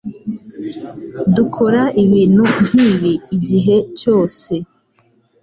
Dukora ibintu nkibi igihe cyose.